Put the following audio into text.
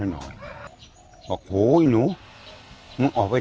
อันนั้นน่าจะเป็นวัยรุ่นที่จะเจอวันนี้